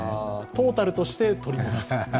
トータルとして取り戻すっていう。